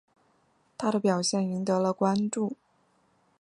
他的表现赢得了关注。